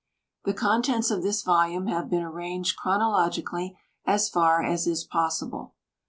The contents of this volume have been arranged chronologically as far as is possible.